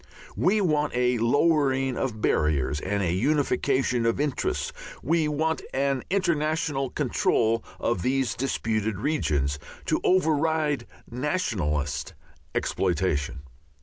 We want a lowering of barriers and a unification of interests, we want an international control of these disputed regions, to override nationalist exploitation.